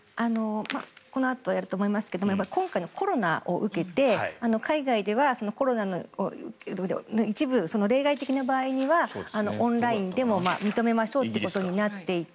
このあとやると思いますが今回のコロナを受けて海外ではコロナで一部、例外的な場合ではオンラインでも認めましょうということになっていて。